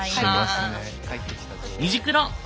「虹クロ」！